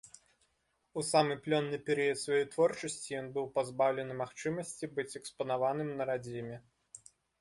У самы плённы перыяд сваёй творчасці ён быў пазбаўлены магчымасці быць экспанаваным на радзіме.